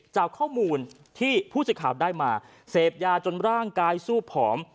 จากข้อมูลที่ผู้สื่อข่าวได้มาเสพยาจนร่างกายสู้ผอม